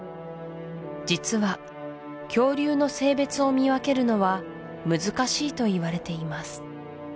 実は恐竜の性別を見分けるのは難しいといわれています